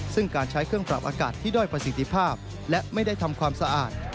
ซึ่งการใช้เครื่องปรับอากาศที่ด้อยประสิทธิภาพและไม่ได้ทำความสะอาด